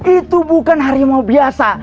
itu bukan harimau biasa